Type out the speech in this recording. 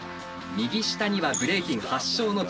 右下にはブレイキン発祥の地